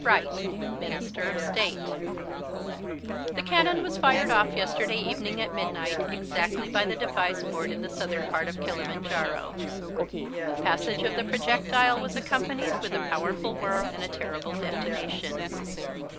Wright, Minister of State: "The cannon was fired off yesterday evening at midnight exactly by the device bored in the southern part of Kilimanjaro. Passage of the projectile was accompanied with a powerful whirr and terrible detonation.